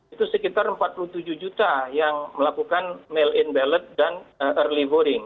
itu sekitar empat puluh tujuh juta yang melakukan mail in ballot dan early voring